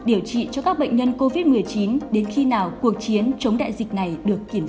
điều trị cho các bệnh nhân covid một mươi chín đến khi nào cuộc chiến chống đại dịch này được kiểm soát